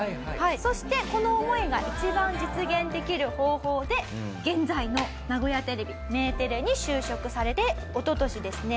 そしてこの思いが一番実現できる方法で現在の名古屋テレビメテレに就職されておととしですね